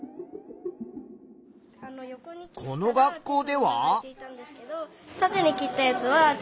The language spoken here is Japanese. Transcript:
この学校では。